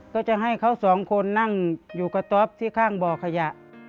ก็จะให้เขาสองคนนั่งอยู่กระต๊อบที่ข้างบ่อขยะ